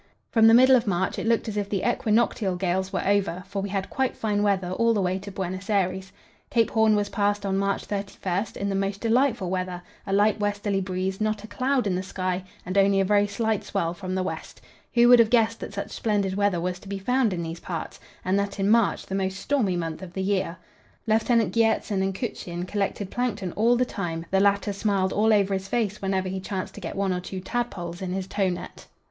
From the middle of March it looked as if the equinoctial gales were over, for we had quite fine weather all the way to Buenos Aires. Cape Horn was passed on March 31 in the most delightful weather a light westerly breeze, not a cloud in the sky, and only a very slight swell from the west. Who would have guessed that such splendid weather was to be found in these parts? and that in March, the most stormy month of the year. Lieutenant Gjertsen and Kutschin collected plankton all the time; the latter smiled all over his face whenever he chanced to get one or two "tadpoles" in his tow net.